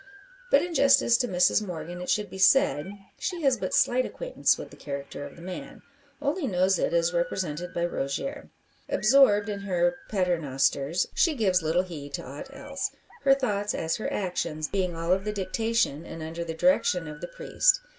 But in justice to Mrs Morgan it should be said, she has but slight acquaintance with the character of the man only knows it as represented by Rogier. Absorbed in her paternosters, she gives little heed to ought else; her thoughts, as her actions, being all of the dictation, and under the direction, of the priest.